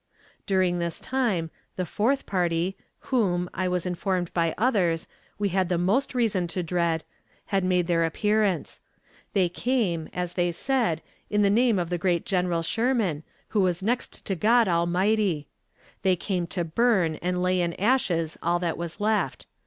During this time, the fourth party, whom, I was informed by others, we had the most reason to dread, had made their appearance. They came, as they said, in the name of the great General Sherman, who was next to God Almighty. They came to burn and lay in ashes all that was left.